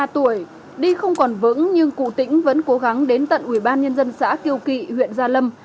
chín mươi ba tuổi đi không còn vững nhưng cụ tĩnh vẫn cố gắng đến tận ubnd xã kiều kỳ huyện gia lâm